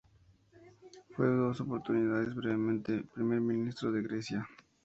Fue en dos oportunidades brevemente primer ministro de Grecia.